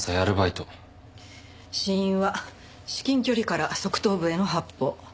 死因は至近距離から側頭部への発砲。